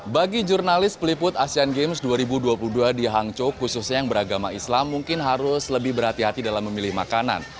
bagi jurnalis peliput asean games dua ribu dua puluh dua di hangzhou khususnya yang beragama islam mungkin harus lebih berhati hati dalam memilih makanan